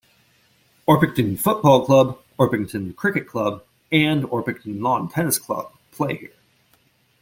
Orpington Football Club, Orpington Cricket Club and Orpington Lawn Tennis Club play here.